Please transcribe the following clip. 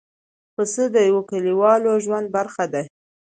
پسه د یوه کلیوالو ژوند برخه ده.